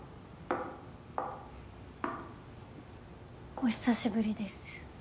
お久しぶりです。